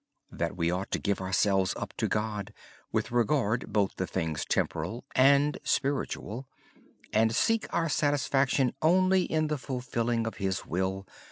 We ought to give ourselves up to God with regard both to things temporal and spiritual and seek our satisfaction only in the fulfilling of His will.